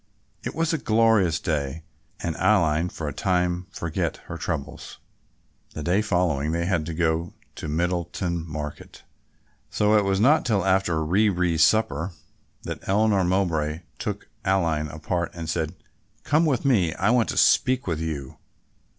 It was a glorious day and Aline for a time forgot her troubles. The day following they had to go in to Middleton Market, so it was not till after rere supper that Eleanor Mowbray took Aline apart and said, "Come with me, I want to speak with you."